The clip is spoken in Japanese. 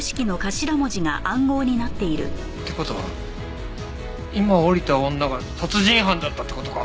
って事は今降りた女が殺人犯だったって事か？